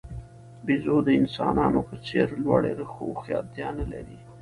بیزو د انسانانو په څېر لوړې هوښیارتیا نه لري.